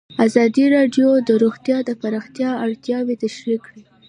ازادي راډیو د روغتیا د پراختیا اړتیاوې تشریح کړي.